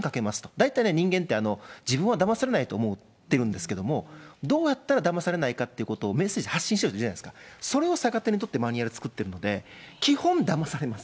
大体ね、人間って自分はだまされないと思ってるんですけども、どうやったらだまされないかってことをメッセージ発信してるじゃないですか、それを逆手に取ってマニュアルを作っているので、基本、だまされます。